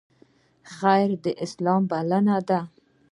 خیر د اسلام بلنه ده